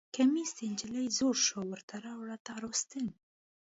کمیس د نجلۍ زوړ شو ورته راوړه تار او ستن